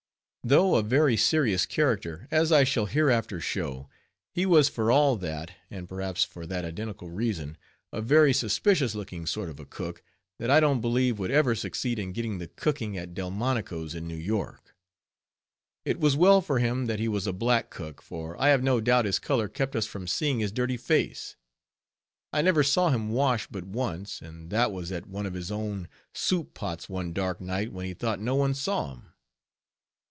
Though a very serious character, as I shall hereafter show, he was for all that, and perhaps for that identical reason, a very suspicious looking sort of a cook, that I don't believe would ever succeed in getting the cooking at Delmonico's in New York. It was well for him that he was a black cook, for I have no doubt his color kept us from seeing his dirty face! I never saw him wash but once, and that was at one of his own soup pots one dark night when he thought no one saw him.